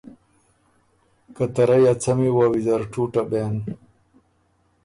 که ته رئ ا څمی وه ویزر ټُوټه بېن۔